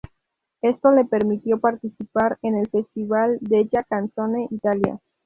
Esto le permitió participar en el Festival della canzone italiana.